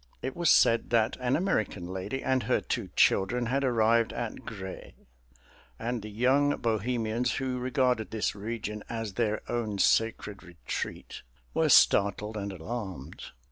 It was said that an American lady and her two children had arrived at Grez, and the young bohemians who regarded this region as their own sacred retreat were startled and alarmed.